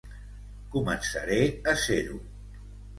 Començaré a ser-ho.